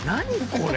これ。